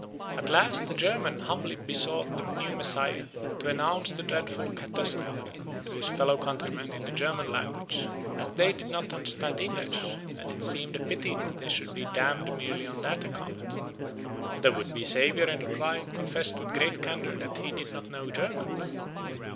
At last a German humbly besought the new Messiah to announce the dreadful catastrophe to his fellow countrymen in the German language, as they did not understand English, and it seemed a pity that they should be damned merely on that account. The would be Saviour in reply confessed with great candour that he did not know German.